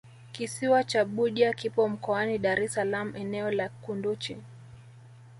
kisiwa cha budya kipo mkoani dar es salaam eneo la kunduchi